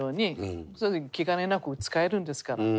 そうすると気兼ねなく使えるんですから。